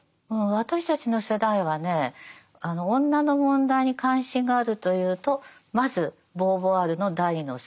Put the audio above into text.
私たちの世代はね女の問題に関心があるというとまずボーヴォワールの「第二の性」